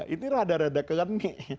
itu rada rada kelenik